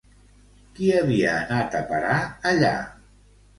Qui havia anat a parar allà?